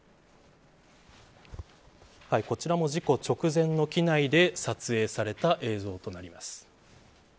こちらも事故直前の機内で撮影された映像となります。